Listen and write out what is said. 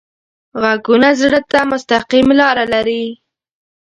غږونه زړه ته مستقیم لاره لري